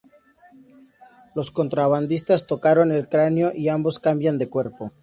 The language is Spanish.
Los contrabandistas, tocaron el cráneo y ambos cambian de cuerpo.